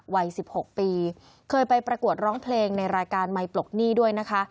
วัย๑๖ปีเคยไปประกวดร้องเพลงในรายการไมค์ปลดหนี้ด้วยนะคะ